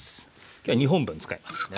今日は２本分使いますんでね。